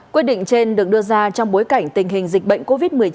quyết định trên được đưa ra trong bối cảnh tình hình dịch bệnh covid một mươi chín